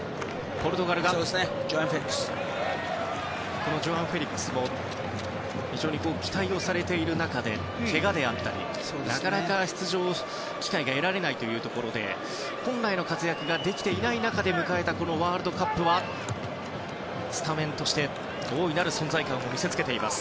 このジョアン・フェリックスも期待をされている中でけがであったりなかなか出場機会が得られないというところで本来の活躍ができていない中で迎えたこのワールドカップはスタメンとして大いなる存在感を見せつけています。